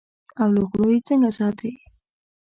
او له غلو یې څنګه ساتې.